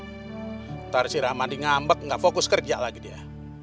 ntar si rahmadi ngambek nggak fokus kerja lagi dia